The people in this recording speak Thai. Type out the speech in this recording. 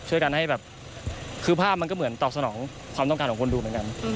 ช่วยกันให้แบบคือภาพมันก็เหมือนตอบสนองความต้องการของคนดูเหมือนกัน